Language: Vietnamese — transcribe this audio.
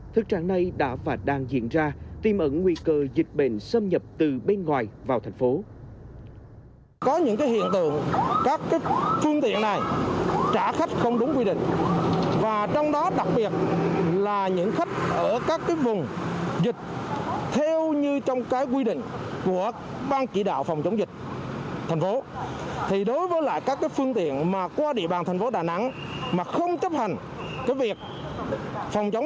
thực trạng này đã và đang diễn ra tìm ẩn nguy cơ dịch bệnh xâm nhập từ bên ngoài vào thành phố